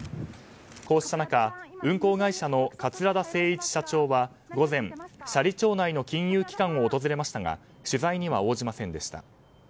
こうした中、運航会社の桂田精一社長は午前、斜里町内の金融機関を訪れましたが取材には応じませんでした。